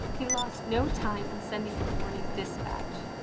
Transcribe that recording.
He lost no time in sending a warning dispatch.